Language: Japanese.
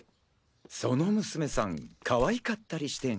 その娘さん可愛かったりして♥